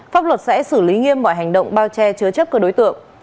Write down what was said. pháp luật sẽ xử lý nghiêm mọi hành động bao che chứa chấp các đối tượng